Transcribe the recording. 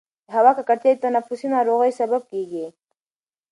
د هوا ککړتیا د تنفسي ناروغیو سبب کېږي.